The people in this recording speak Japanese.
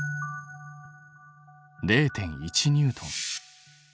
０．１ニュートン。